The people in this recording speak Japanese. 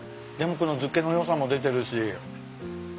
でもこの漬けの良さも出てるし。